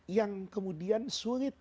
yang kemudian sulit